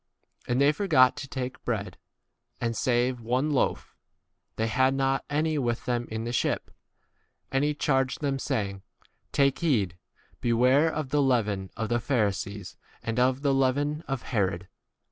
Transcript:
u And they forgot to take bread, and, save one loaf, they had not 15 [any] with them in the ship. And he charged them, saying, Take heed, beware of the leaven of the Pharisees and of the leaven of 16 Herod.